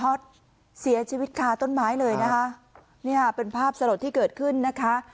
เสียชีวิตคาต้นไม้เลยนะคะเนี่ยเป็นภาพสลดที่เกิดขึ้นนะคะ